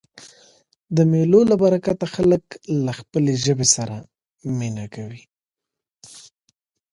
د مېلو له برکته خلک له خپلي ژبي سره مینه کوي.